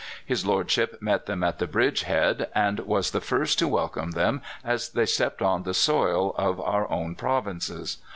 His lordship met them at the bridge head, and was the first to welcome them as they stepped on the soil of our own provinces.